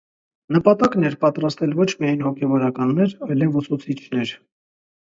Նպատակն էր պատրաստել ոչ միայն հոգևորականներ, այլև՝ ուսուցիչներ։